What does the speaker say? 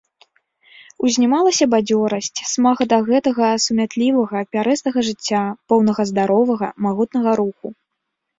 Узнімалася бадзёрасць, смага да гэтага сумятлівага, пярэстага жыцця, поўнага здаровага, магутнага руху.